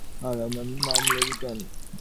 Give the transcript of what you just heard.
আর আমার নাম লেবু কেন?